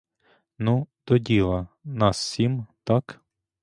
Ну, до діла: нас сім, так?